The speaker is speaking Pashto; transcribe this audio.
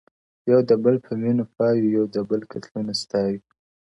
یو د بل په وینو پایو یو د بل قتلونه ستایو!!